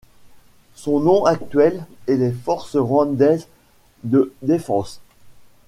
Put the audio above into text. Son nom actuel est les Forces rwandaises de défense.